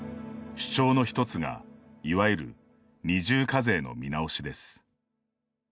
主張の一つが、いわゆる二重課税の見直しです。